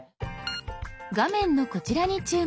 画面のこちらに注目！